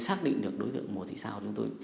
xác định được đối tượng mùa thị sao